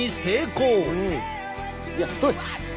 いや太い！